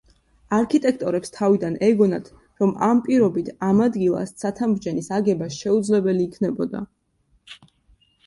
არქიტექტორებს თავიდან ეგონათ, რომ ამ პირობით ამ ადგილას ცათამბჯენის აგება შეუძლებელი იქნებოდა.